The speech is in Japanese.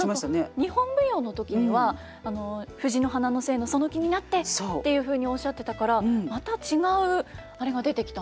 何か日本舞踊の時には藤の花の精のその気になってっていうふうにおっしゃってたからまた違うあれが出てきたんだなというふうに。